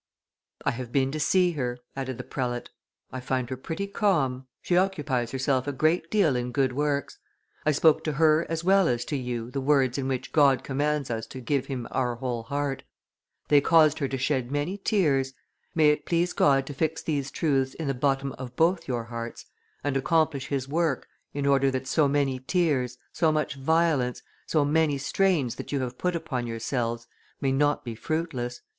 "I have been to see her," added the prelate. "I find her pretty calm; she occupies herself a great deal in good works. I spoke to her as well as to you the words in which God commands us to give Him our whole heart; they caused her to shed many tears; may it please God to fix these truths in the bottom of both your hearts, and accomplish His work, in order that so many tears, so much violence, so many strains that you have put upon yourselves, may not be fruitless."